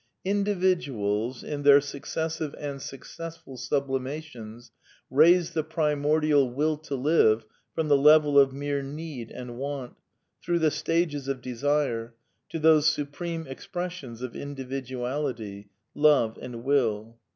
Indi viduals, in their successive (and successful) sublimations, \ raised the primordial will to live from the level of mere \ need and want, through the stages of desire, to those su Ipreme expressions of individuality — love and will.